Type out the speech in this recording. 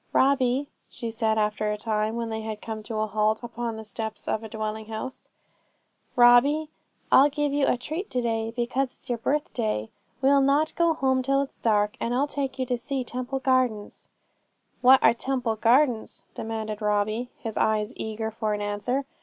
'Robbie,' she said after a time, when they had come to a halt upon the steps of a dwelling house, 'Robbie, I'll give you a treat to day, because it's your birthday. We'll not go home till it's dark; and I'll take you to see Temple Gardens.' 'What are Temple Gardens?' demanded Robin, his eyes eager for an answer.